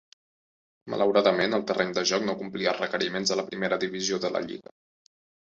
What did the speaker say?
Malauradament, el terreny de joc no complia els requeriments de la primera divisió de la lliga.